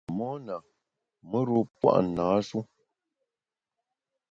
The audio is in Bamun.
Mona, mùr-u pua’ nâ-shu.